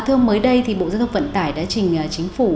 thưa ông mới đây thì bộ giao thông vận tải đã trình chính phủ